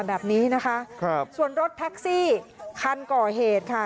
แบบนี้นะคะครับส่วนรถแท็กซี่คันก่อเหตุค่ะ